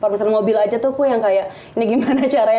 pembesaran mobil aja tuh yang kayak ini gimana caranya